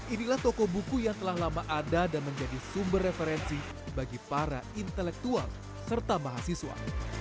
inilah toko buku yang telah lama ada dan menjadi sumber referensi bagi para intelektual serta mahasiswa